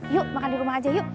yuk makan di rumah aja yuk